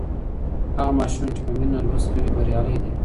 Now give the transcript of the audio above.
هغه ماشوم چي په مينه لوست کوي بريالی دی.